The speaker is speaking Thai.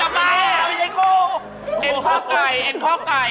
ไปจะไปเอ็นข้อไก่